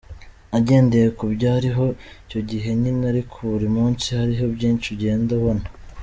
Nagendeye ku byariho icyo gihe nyine ariko buri munsi hari byinshi ugenda ubona.